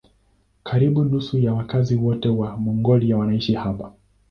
Karibu nusu ya wakazi wote wa Mongolia wanaishi hapa.